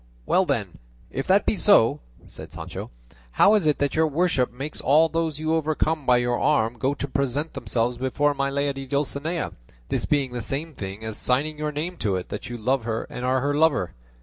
"Well then, if that be so," said Sancho, "how is it that your worship makes all those you overcome by your arm go to present themselves before my lady Dulcinea, this being the same thing as signing your name to it that you love her and are her lover?